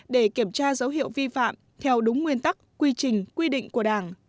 để kiểm tra dấu hiệu vi phạm theo đúng nguyên tắc quy trình quy định của đảng